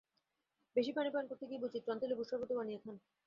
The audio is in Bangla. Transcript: বেশি পানি পান করতে গিয়ে বৈচিত্র্য আনতে লেবুর শরবতও বানিয়ে খান।